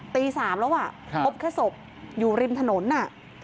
ตี๓แล้วอ่ะพบแค่ศพอยู่ริมถนนน่ะ